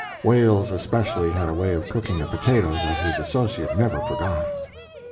Wales especially had a way of cooking a potato that his associate never forgot.